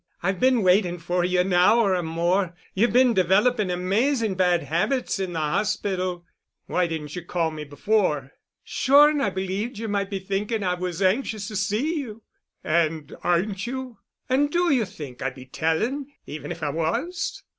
I've been waiting for you an hour or more. You've been developing amazing bad habits in the hospital." "Why didn't you call me before?" "Sure and I believed you might be thinking I was anxious to see you." "And aren't you?" "And do you think I'd be telling—even if I was?"